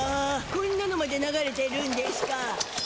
こんなのまで流れてるんでしゅか。